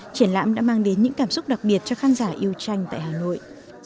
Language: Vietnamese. triển lãm đã mang đến những cảm xúc đặc biệt cho khán giả yêu tranh tại hà nội